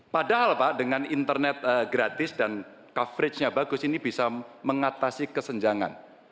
padahal pak dengan internet gratis dan coverage nya bagus ini bisa mengatasi kesenjangan